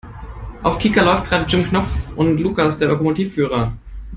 Auf Kika läuft gerade Jim Knopf und Lukas der Lokomotivführer.